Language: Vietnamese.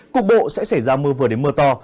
cục bộ sẽ xảy ra mưa vừa đến mưa to